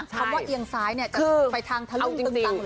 คำว่าเอียงซ้ายเนี่ยจะไปทางทะลุ้งตึงตั้งเลย